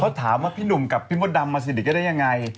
เขาถามว่าพี่หนุ่มกับพี่มดดำมาสนิทกันได้ยังไง